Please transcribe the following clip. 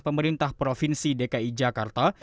pemerintah provinsi dki jakarta